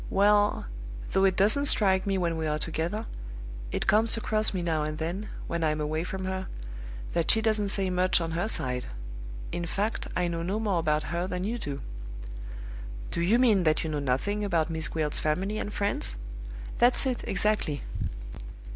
Well though it doesn't strike me when we are together it comes across me now and then, when I'm away from her, that she doesn't say much on her side. In fact, I know no more about her than you do." "Do you mean that you know nothing about Miss Gwilt's family and friends?" "That's it, exactly."